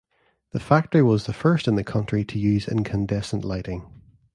The factory was the first in the country to use incandescent lighting.